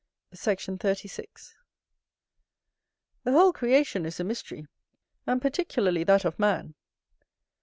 Sect. 36. The whole creation is a mystery, and particularly that of man.